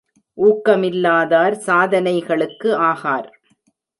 ஊக்கமிலாதார் சாதனைகளுக்கு ஆகார்.